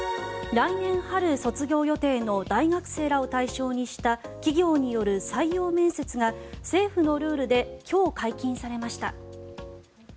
来年春卒業予定の大学生らを対象にした企業による採用面接が政府のルールで今日、解禁されました。